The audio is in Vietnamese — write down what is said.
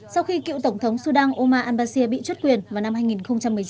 sau khi cựu tổng thống sudan omar al basir bị truất quyền vào năm hai nghìn một mươi chín